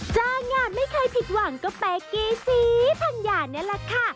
จ้างงานไม่เคยผิดหวังก็ไปกี้สีธรรยานี่แหละค่ะ